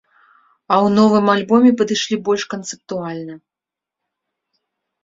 А ў новым альбоме падышлі больш канцэптуальна.